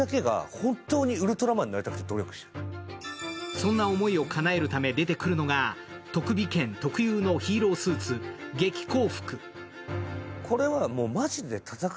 そんな思いをかなえるため出てくるのが特美研特有のヒーロースーツ、劇光服。